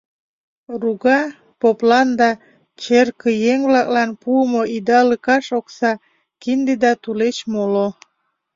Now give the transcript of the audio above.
Руга — поплан да черкыеҥ-влаклан пуымо идалыкаш окса, кинде да тулеч моло.